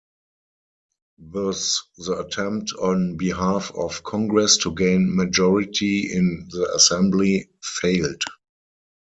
Thus the attempt on behalf of Congress to gain majority in the assembly failed.